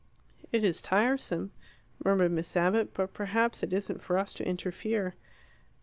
"It is tiresome," murmured Miss Abbott; "but perhaps it isn't for us to interfere."